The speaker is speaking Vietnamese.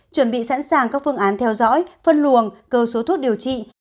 chuẩn bị sẵn sàng các phương án theo dõi phân luồng cơ số thuốc điều trị